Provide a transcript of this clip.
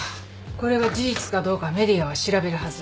これが事実かどうかＭＥＤＩＡは調べるはず。